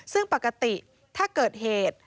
ซึ่งปกติถ้าเกิดเหตุ